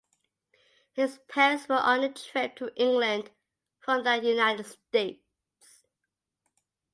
His parents were on a trip to England from the United States.